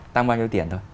tăng bao nhiêu tiền thôi